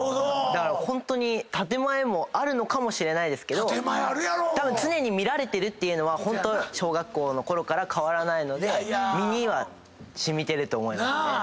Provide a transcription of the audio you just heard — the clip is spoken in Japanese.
だからホントに建前もあるのかもしれないですけど常に見られてるっていうのはホント小学校のころから変わらないので身には染みてると思います。なぁ。